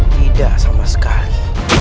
tidak sama sekali